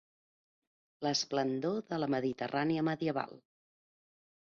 L'esplendor de la Mediterrània medieval.